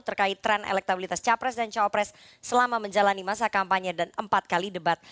terkait tren elektabilitas capres dan cawapres selama menjalani masa kampanye dan empat kali debat